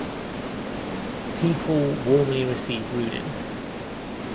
People warmly receive Rudin.